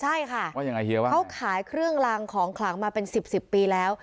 ใช่ค่ะว่ายังไงเฮียบ้างเขาขายเครื่องรางของขลังมาเป็นสิบสิบปีแล้ว